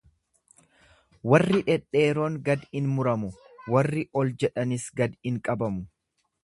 Warri dhedheeroon gad in muramu, warri ol jedhanis gad in qabamu.